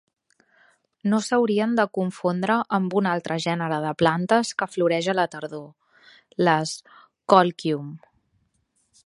No s'haurien de confondre amb un altre gènere de plantes que floreix a la tardor, les "Colchium".